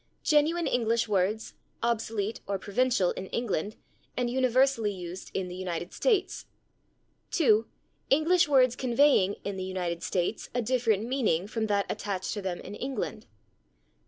Genuine English words, obsolete or provincial in England, and universally used in the United States. 2. English words conveying, in the United States, a different meaning from that attached to them in England.